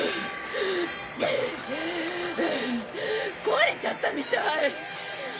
壊れちゃったみたい。